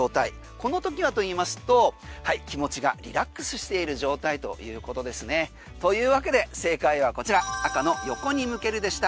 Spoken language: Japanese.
このときはといいますと気持ちがリラックスしている状態ということですね。というわけで正解はこちら赤の横に向けるでした。